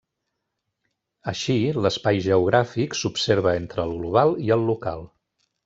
Així, l'espai geogràfic s'observa entre el global i el local.